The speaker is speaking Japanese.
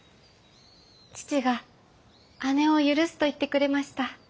父が姉を許すと言ってくれました。